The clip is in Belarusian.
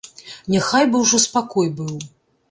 Няхай бы ўжо спакой быў.